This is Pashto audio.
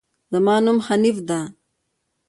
زما نوم حنيف ده